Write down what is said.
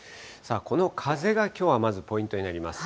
この風がきょうはまずポイントになります。